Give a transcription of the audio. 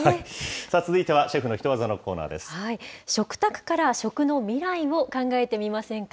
さあ続いては、食卓から食の未来を考えてみませんか？